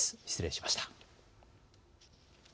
失礼しました。